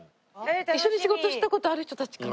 一緒に仕事した事ある人たちかな？